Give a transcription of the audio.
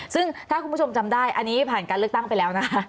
ซึ่งถ้าคุณผู้ชมจำได้อันนี้ผ่านการเลือกตั้งไปแล้วนะคะ